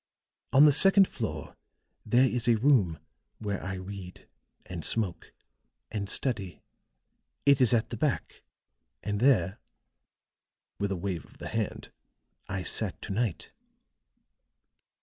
On the second floor there is a room where I read and smoke and study. It is at the back, and there," with a wave of the hand, "I sat to night."